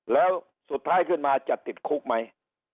แล้วสุดท้ายขึ้นมาจะไหม